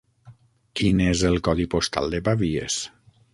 Quin és el codi postal de Pavies?